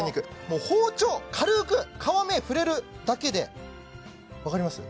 もう包丁軽く皮目触れるだけで分かります？